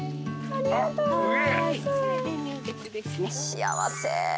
幸せ。